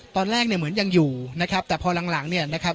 ตอนแรกเนี่ยเหมือนยังอยู่นะครับแต่พอหลังหลังเนี่ยนะครับ